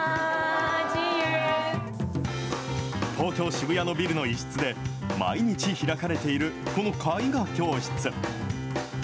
東京・渋谷のビルの一室で、毎日開かれているこの絵画教室。